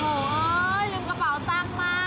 โอ้โหลืมกระเป๋าตังค์มา